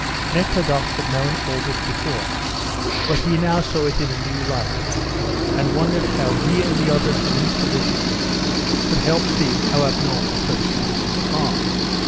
Nekhludoff had known all this before, but he now saw it in a new light, and wondered how he and others in his position could help seeing how abnormal such conditions are.